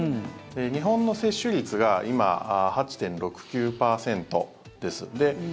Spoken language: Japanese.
日本の接種率が今、８．６９％です。